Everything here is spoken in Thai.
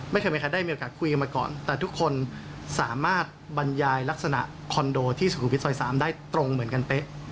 ไม่เคยมีใครได้มีโอกาสคุยกันมาก่อนแต่ทุกคนสามารถบรรยายลักษณะคอนโดที่สุขุมวิทยซอย๓ได้ตรงเหมือนกันเป๊ะ